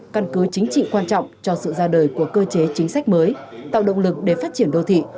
căn cứ chính trị quan trọng cho sự ra đời của cơ chế chính sách mới tạo động lực để phát triển đô thị